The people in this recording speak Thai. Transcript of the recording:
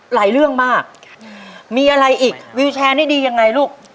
เรื่องมากมีอะไรอีกวิวแชร์นี่ดียังไงลูก